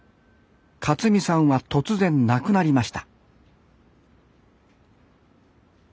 克己さんは突然亡くなりました